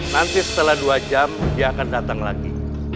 nanti setelah dua jam dia akan datang lagi